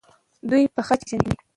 دوی به خج وپیژني.